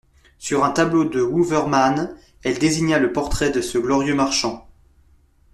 Sur un tableau de Wouvermann, elle désigna le portrait de ce glorieux marchand.